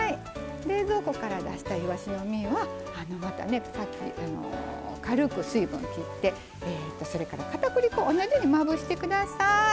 冷蔵庫から出した、いわしの身は軽く水分を切ってそれからかたくり粉同じようにまぶしてください。